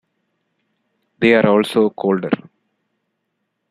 They are also colder.